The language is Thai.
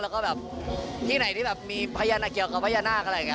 แล้วก็แบบที่ไหนที่แบบมีพญานาคเกี่ยวกับพญานาคอะไรอย่างนี้